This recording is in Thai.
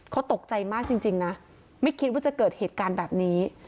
เขาตกใจมากจริงนะไม่คิดว่าจะเกิดเหตุการณ์แบบนี้